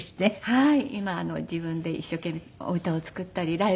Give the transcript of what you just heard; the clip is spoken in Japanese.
はい。